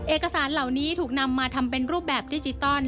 เอกสารเหล่านี้ถูกนำมาทำเป็นรูปแบบดิจิตอล